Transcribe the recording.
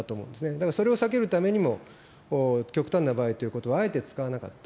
だからそれを避けるためにも、極端な場合ということをあえて使わなかった。